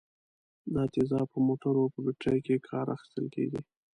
دا تیزاب په موټرو په بټریو کې کار اخیستل کیږي.